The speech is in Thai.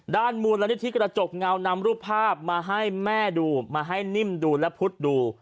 มูลนิธิกระจกเงานำรูปภาพมาให้แม่ดูมาให้นิ่มดูและพุทธดู